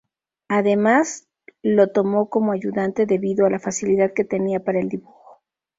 Además lo tomó como ayudante debido a la facilidad que tenía para el dibujo.